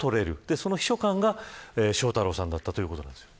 その秘書官が翔太郎さんだったということです。